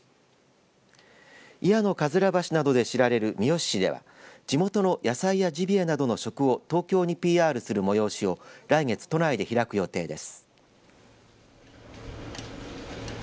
祖谷のかずら橋などで知られる三好市では地元の野菜やジビエなどの食を東京にＰＲする催しを来月都内で開く予定です。